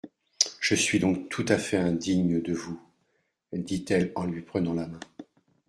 Je suis donc tout à fait indigne de vous, dit-elle en lui prenant la main.